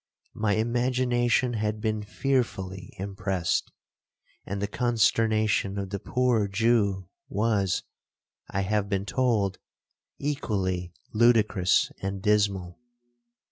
My imagination had been fearfully impressed, and the consternation of the poor Jew was, I have been told, equally ludicrous and dismal.